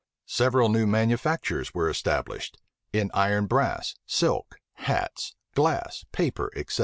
Several new manufactures were established; in iron brass, silk, hats, glass, paper, etc.